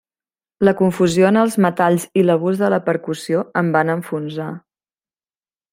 La confusió en els metalls i l'abús de la percussió em van enfonsar!